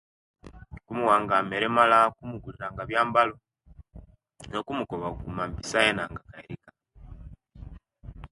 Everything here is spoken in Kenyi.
Kumuwanga mere emala, kumuguliranga biyambalo ne kumukoba kukuma inpisa yena anga akairika